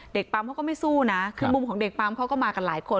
ปั๊มเขาก็ไม่สู้นะคือมุมของเด็กปั๊มเขาก็มากันหลายคน